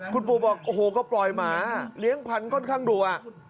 คุณปู่บอกโอ้โหก็ปล่อยหมาเลี้ยงพันธค่อนข้างดุ